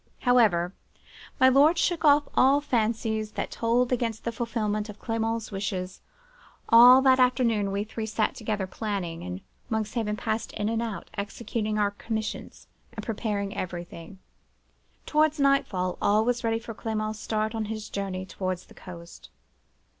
"However, my lord shook off all fancies that told against the fulfilment of Clement's wishes. All that afternoon we three sat together, planning; and Monkshaven passed in and out, executing our commissions, and preparing everything. Towards nightfall all was ready for Clement's start on his journey towards the coast.